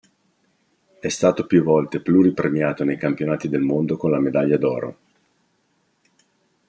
È stato più volte pluripremiato nei Campionati del mondo con la medaglia d'oro.